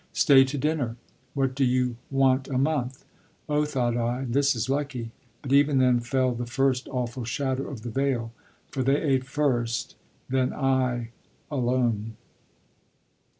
Stay to dinner. What do you want a month?" "Oh," thought I, "this is lucky"; but even then fell the first awful shadow of the Veil, for they ate first, then I alone.